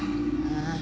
ああ。